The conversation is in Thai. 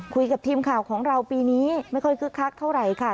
คุยกับทีมข่าวของเราปีนี้ไม่ค่อยคึกคักเท่าไหร่ค่ะ